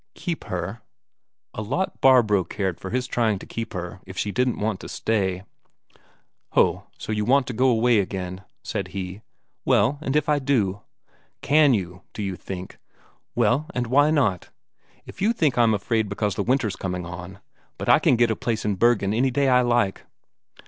Keep her? A lot Barbro cared for his trying to keep her if she didn't want to stay. "Ho, so you want to go away again?" said he. "Well, and if I do?" "Can you, d'you think?" "Well, and why not? If you think I'm afraid because the winter's coming on ... But I can get a place in Bergen any day I like."